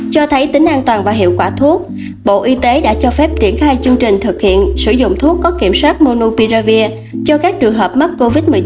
cho thấy tính an toàn và hiệu quả thuốc bộ y tế đã cho phép triển khai chương trình thực hiện sử dụng thuốc có kiểm soát monopiravir cho các trường hợp mắc covid một mươi chín